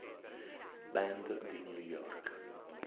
Band di New York.